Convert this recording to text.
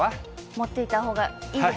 持っていったほうがいいです。